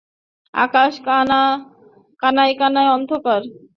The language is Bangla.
আকাশের কানায় কানায় অন্ধকার।